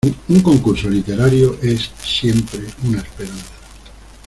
Un concurso literario es, siempre, una esperanza.